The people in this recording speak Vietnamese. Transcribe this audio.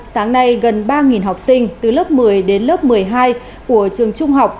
sáng nay gần ba học sinh từ lớp một mươi đến lớp một mươi hai của trường trung học